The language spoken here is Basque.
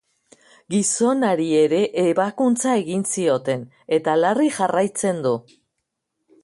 Gizonari ere ebakuntza egin zioten, eta larri jarraitzen du.